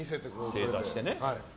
正座してね。